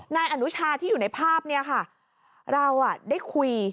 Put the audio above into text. นายอนุชาที่อยู่ในภาพเนี่ยค่ะเราได้คุย